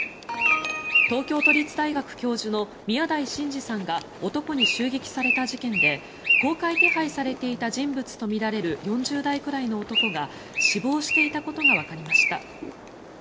東京都立大学教授の宮台真司さんが男に襲撃された事件で公開手配されていた人物とみられる４０代くらいの男が死亡していたことがわかりました。